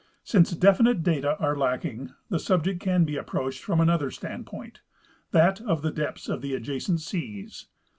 Since definite data are lacking, the subject can be approached from another standpoint, that of the depths of the adjacent seas.